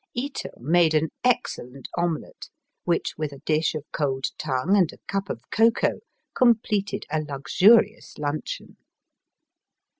Ito made an excellent omelette, which, with a dish of cold tongue and a cup of cocoa, com pleted a luxurious luncheon.